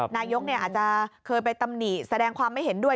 นายกอาจจะเคยไปตำหนิแสดงความไม่เห็นด้วย